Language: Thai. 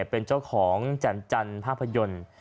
เป็นเจ้าของแจ่มจันทร์ภาพยนตร์